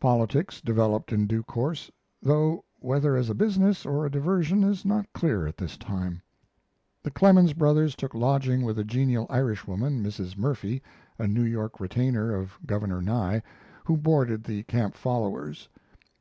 Politics developed in due course, though whether as a business or a diversion is not clear at this time. The Clemens brothers took lodging with a genial Irishwoman, Mrs. Murphy, a New York retainer of Governor Nye, who boarded the camp followers.